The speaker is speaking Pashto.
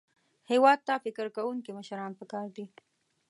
هېواد ته فکر لرونکي مشران پکار دي